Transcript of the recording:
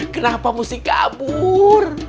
kenapa mesti kabur